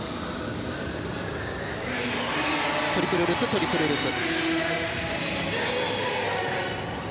トリプルルッツトリプルループ。